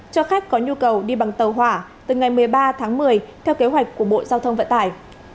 cho khách có nhu cầu đi bằng tàu hỏa từ ngày một mươi ba tháng một mươi theo kế hoạch của bộ giao thông vận tải